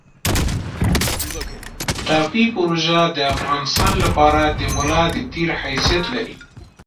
ټاپي پروژه د افغانستان لپاره د ملا د تیر حیثیت لري